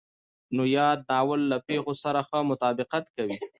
نو ياد ناول له پېښو سره ښه مطابقت کوي.